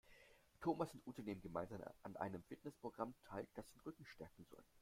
Thomas und Ute nehmen gemeinsam an einem Fitnessprogramm teil, das den Rücken stärken soll.